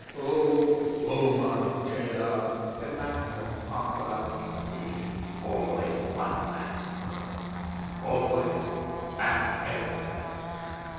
'"Oh, Roma Dea!" said Maximus, half aloud. "It is always one man's work always and everywhere!"